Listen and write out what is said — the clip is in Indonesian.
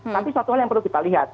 tapi satu hal yang perlu kita lihat